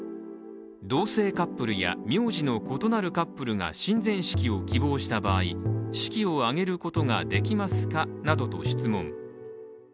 同性カップルや名字の異なるカップルが神前式を希望した場合式を挙げることができますか？などと質問。